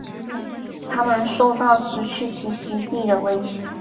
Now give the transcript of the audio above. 它们受到失去栖息地的威胁。